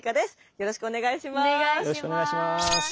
よろしくお願いします。